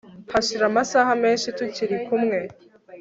hashira amasaha menshi tukiri kumwe